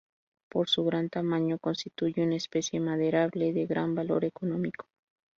Por su gran tamaño, constituye una especie maderable de gran valor económico.